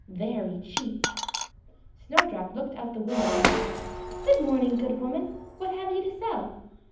very cheap!" Snowdrop looked out of the window and cried, "Good morning, good woman: what have you to sell?"